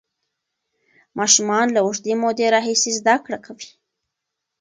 ماشومان له اوږدې مودې راهیسې زده کړه کوي.